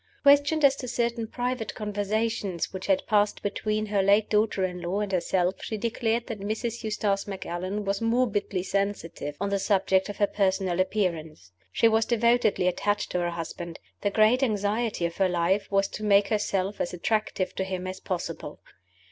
Questioned as to certain private conversations which had passed between her late daughter in law and herself, she declared that Mrs. Eustace Macallan was morbidly sensitive on the subject of her personal appearance. She was devotedly attached to her husband; the great anxiety of her life was to make herself as attractive to him as possible.